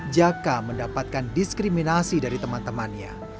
jaka mendapatkan diskriminasi dari teman temannya